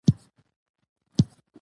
سیاسي ثبات ملي امنیت پیاوړی کوي